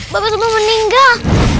bagus mau meninggal